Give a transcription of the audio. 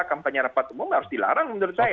kampanye repat itu harus dilarang menurut saya